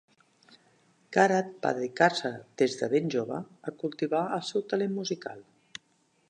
Garat va dedicar-se des de ben jove a cultivar el seu talent musical.